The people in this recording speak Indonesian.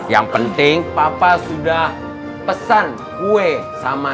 yang penting papa sudah pesan kue sama